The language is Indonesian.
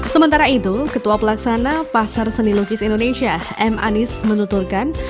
sementara itu ketua pelaksana pasar seni lukis indonesia m anies menuturkan